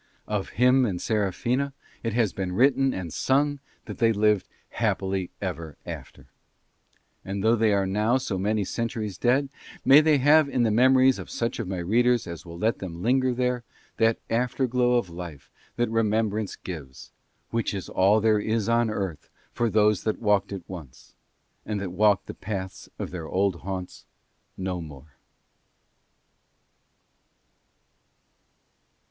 Of him and Serafina it has been written and sung that they lived happily ever after; and though they are now so many centuries dead, may they have in the memories of such of my readers as will let them linger there, that afterglow of life that remembrance gives, which is all that there is on earth for those that walked it once and that walk the paths of their old haunts no more.